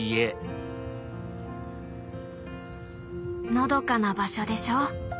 のどかな場所でしょ？